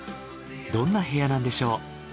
どんな部屋なんでしょう。